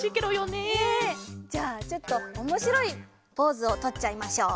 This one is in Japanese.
じゃあちょっとおもしろいポーズをとっちゃいましょう。